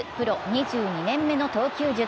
２２年目の投球術。